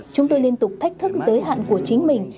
chúng tôi liên tục thách thức giới hạn của chính mình